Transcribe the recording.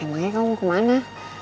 emangnya kamu mau kemana